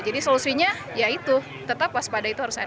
jadi solusinya ya itu tetap waspada itu harus ada